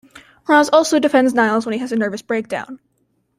Roz also defends Niles when he has a nervous breakdown.